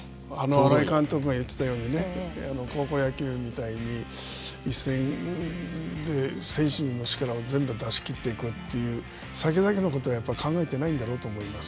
新井監督が言ってたようにね、高校野球みたいに一戦で選手の力を全部出し切っていくという、先々のことを考えていないんだろうと思います。